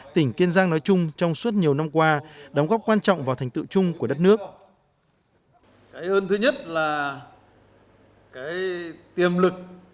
tỉnh kiên giang nói chung trong suốt nhiều năm qua đóng góp quan trọng vào thành tựu chung của đất nước